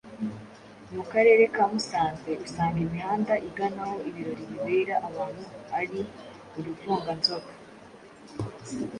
mu Karere ka Musanze. Usanga imihanda igana aho ibirori bibera, abantu ari uruvunganzoka.